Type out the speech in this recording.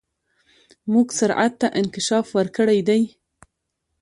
موږ سرعت ته انکشاف ورکړی دی.